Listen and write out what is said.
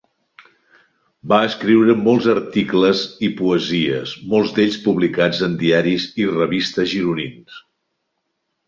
Va escriure molts articles i poesies, molts d'ells publicats en diaris i revistes gironins.